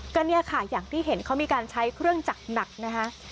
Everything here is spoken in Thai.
ก็เนี่ยค่ะอย่างที่เห็นเขามีการใช้เครื่องจักรหนักนะคะ